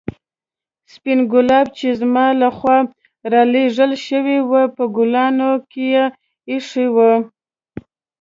سپين ګلاب چې زما له خوا رالېږل شوي وو په ګلدان کې ایښي وو.